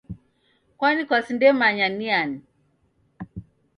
Kwani kwasindemanya ni ani?